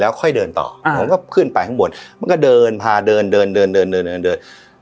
แล้วค่อยเดินต่ออ่าเขาก็ขึ้นไปข้างบนมันก็เดินพาเดินเดินเดินเดินเดินเดินเดิน